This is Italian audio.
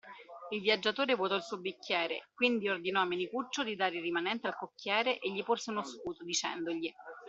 Il viaggiatore vuotò il suo bicchiere, quindi ordinò a Menicuccio di dare il rimanente al cocchiere, e gli porse uno scudo, dicendogli.